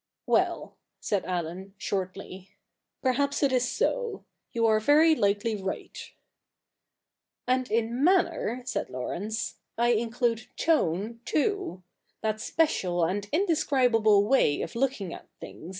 'Well,' .said Allen, shortly, 'perhaps it is so. You are ver) likely right.' ' And in manner,' said Laurence, ' I include tone too — that special and indescribable way of looking at things, 122 THE NEW REPUBLIC [dk.